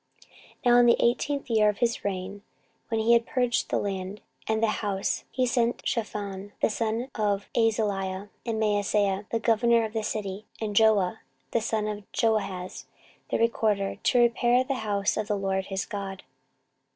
14:034:008 Now in the eighteenth year of his reign, when he had purged the land, and the house, he sent Shaphan the son of Azaliah, and Maaseiah the governor of the city, and Joah the son of Joahaz the recorder, to repair the house of the LORD his God.